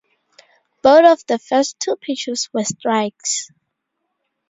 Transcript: Both of the first two pitches were strikes.